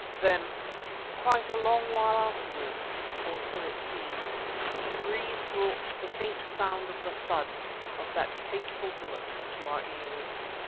Then, quite a long while afterwards, or so it seemed, the breeze brought the faint sound of the thud of that fateful bullet to our ears.